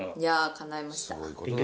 かないました。